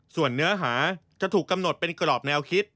ส่วนเนื้อหาจะถูกกำหนดเป็นกรอบแนวคิด